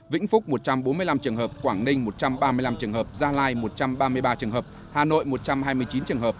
vĩnh phúc một trăm bốn mươi năm trường hợp quảng ninh một trăm ba mươi năm trường hợp gia lai một trăm ba mươi ba trường hợp hà nội một trăm hai mươi chín trường hợp